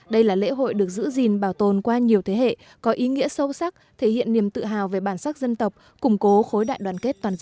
đây là lễ hội được giữ gìn bảo tồn qua nhiều thế hệ có ý nghĩa sâu sắc thể hiện niềm tự hào về bản sắc dân tộc củng cố khối đại đoàn kết toàn dân